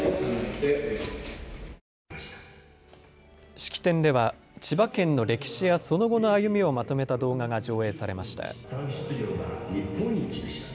式典では千葉県の歴史やその後の歩みをまとめた動画が上映されました。